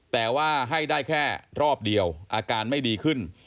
แต่ว่าให้ได้แค่รอบเดียวอาการไม่ดีขึ้น